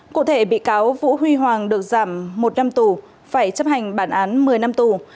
cụ thể bị cáo vũ huy hoàng được giảm một năm tù phải chấp hành bản án một mươi năm tù